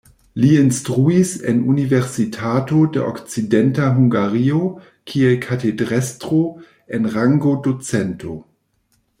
Li instruis en Universitato de Okcidenta Hungario kiel katedrestro en rango docento.